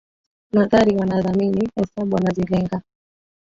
Nadhari wanadhamini, hesabu wanazilenga.